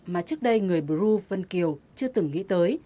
mà trước đây người bru vân kiều chưa từng nghĩ tới